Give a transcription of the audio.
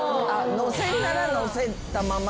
のせるならのせたまま。